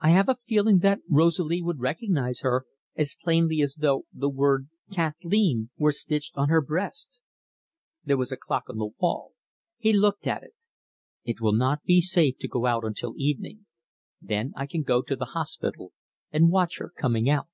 I have a feeling that Rosalie would recognise her as plainly as though the word Kathleen were stitched on her breast." There was a clock on the wall. He looked at it. "It will not be safe to go out until evening. Then I can go to the hospital, and watch her coming out."